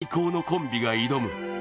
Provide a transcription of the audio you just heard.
最高のコンビが挑む。